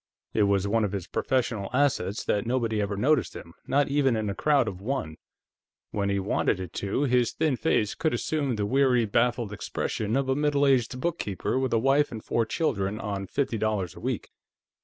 It was one of his professional assets that nobody ever noticed him, not even in a crowd of one; when he wanted it to, his thin face could assume the weary, baffled expression of a middle aged book keeper with a wife and four children on fifty dollars a week.